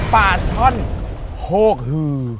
ปลาช่อนโฮกฮือ